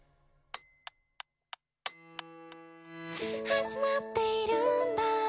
「始まっているんだ